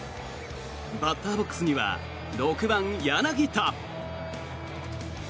バッターボックスには６番、柳田。